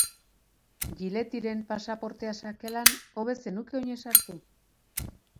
Gilettiren pasaportea sakelan, hobe zenuke oinez sartu.